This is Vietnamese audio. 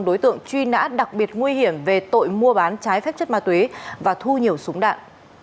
đối tượng truy nã đặc biệt nguy hiểm về tội mua bán trái phép chất ma túy và thu nhiều súng đạn